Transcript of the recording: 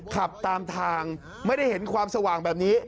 ขับตามทางไม่ได้เห็นความสว่างแบบนี้